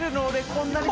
こんなに。